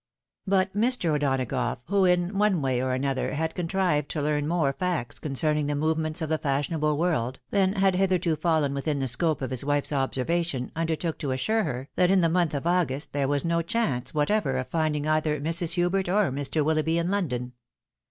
But Mr. O'Donagough, who in one Way or another had contrived to learn more facts concerning the movements of the fashionable world, than had hitherto fallen within the scope of his wife's observation, undertook to assure her, that in the month of August there was no chance whatever of finding either Mrs. Hubert or Mr. WiUoughby in London.